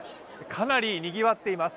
かなりにぎわっています。